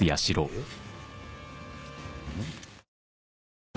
えっ？